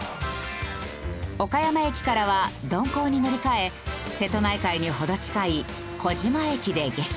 岡山駅からは鈍行に乗り換え瀬戸内海に程近い児島駅で下車。